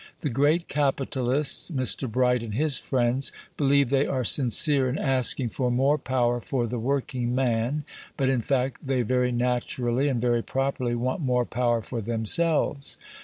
The great capitalists, Mr. Bright and his friends, believe they are sincere in asking for more power for the working man, but, in fact, they very naturally and very properly want more power for themselves.